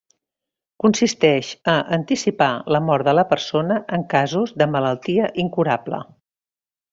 Consisteix a anticipar la mort de la persona en casos de malaltia incurable.